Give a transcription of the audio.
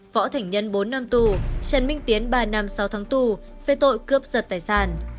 võ thảnh nhân bốn năm tu trần minh tiến ba năm sáu tháng tu phê tội cướp giật tài sản